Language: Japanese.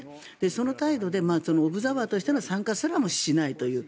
その態度でオブザーバーとしての参加すらもしないという。